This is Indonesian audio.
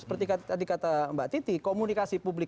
seperti tadi kata mbak titi komunikasi publik